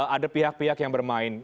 ada pihak pihak yang bermain